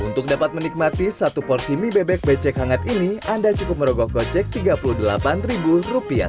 untuk dapat menikmati satu porsi mie bebek becek hangat ini anda cukup merogoh kocek tiga puluh delapan rupiah